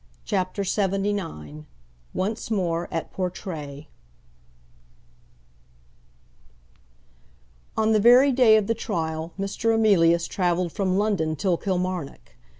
CHAPTER LXXIX Once More at Portray On the very day of the trial Mr. Emilius travelled from London to Kilmarnock.